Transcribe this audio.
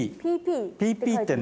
「ＰＰ」ってね